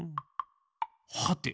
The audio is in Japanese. はて？